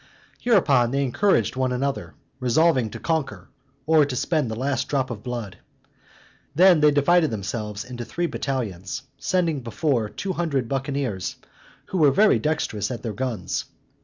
Hereupon they encouraged one another, resolving to conquer, or spend the last drop of blood. Then they divided themselves into three battalions, sending before two hundred buccaneers, who were very dextrous at their guns.